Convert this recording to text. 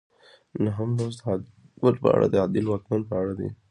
نهم لوست د عادل واکمن په اړه دی.